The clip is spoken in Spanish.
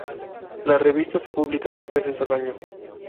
La revista se publica dos veces al año.